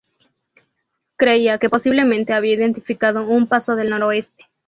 Creía que posiblemente había identificado un Paso del Noroeste.